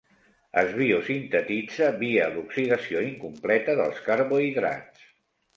Es biosintetitza via l'oxidació incompleta dels carbohidrats.